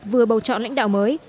vừa bầu chọn lãnh đạo mới